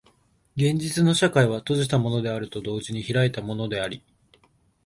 現実の社会は閉じたものであると同時に開いたものであり、